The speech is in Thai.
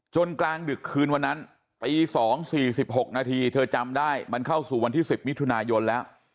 จนกลางดึกคืนวันนั้นปี๒๔๖นาทีท่วนเข้าสู่วันที่๑๐มิถูนายนแล้ว